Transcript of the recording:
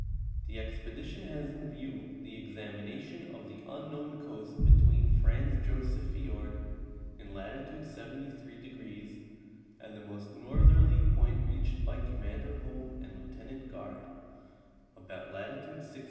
The expedition l).as in view the examination of the unknown coast between Franz Josef fiord, in latitude 73°, and the most northerl}^ point reached by Commander Holm and Lieutenant Garde, about latitude 66°.